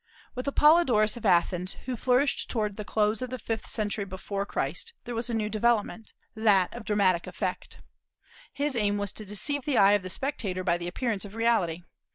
With Apollodorus of Athens, who flourished toward the close of the fifth century before Christ, there was a new development, that of dramatic effect. His aim was to deceive the eye of the spectator by the appearance of reality.